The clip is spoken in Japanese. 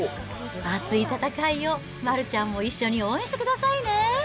熱い戦いを丸ちゃんも一緒に応援してくださいね。